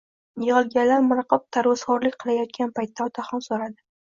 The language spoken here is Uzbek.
Yigʻilganlar miriqib tarvuzxoʻrlik qilayotgan paytda otaxon soʻradi